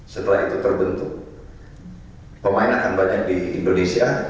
setelah itu terbentuk pemain akan banyak di indonesia